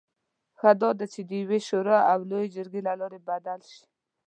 ښه دا ده چې د یوې شورا او لویې جرګې له لارې بدل شي.